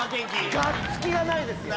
がっつきがないですよ。